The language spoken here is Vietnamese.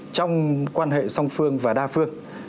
trong quan hệ song phương và đa phương